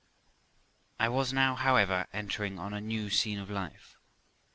I was now, however, entering on a new scene of life.